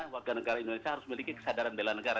warga negara indonesia harus memiliki kesadaran bela negara